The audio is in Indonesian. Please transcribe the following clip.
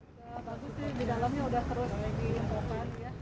ya bagus sih di dalamnya udah terus lagi